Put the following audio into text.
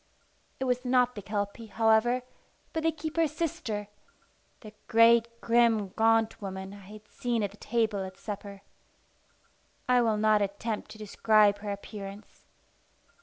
It was not the Kelpie, however, but the keeper's sister, the great, grim, gaunt woman I had seen at the table at supper. I will not attempt to describe her appearance.